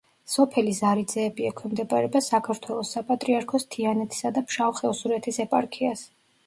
სოფელი ზარიძეები ექვემდებარება საქართველოს საპატრიარქოს თიანეთისა და ფშავ-ხევსურეთის ეპარქიას.